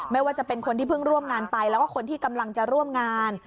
ไม่ว่าจะเป็นคนที่เพิ่งร่วมงานไปแล้วก็คนที่กำลังจะร่วมงาน